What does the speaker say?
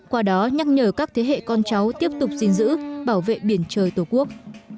qua đó nhắc nhở các thế hệ con cháu tiếp tục gìn giữ bảo vệ biển trời tổ quốc